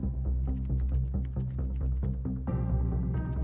kepon yang sudah terinfeksi malware